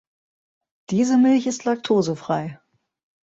Diese Milch ist laktosefrei.